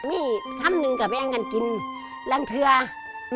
พี่มีคำนึงก็แม่งกันกินล้างเธอ